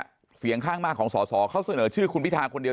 เสียงข้างมากของสอสอเขาเสนอชื่อคุณพิทาคนเดียว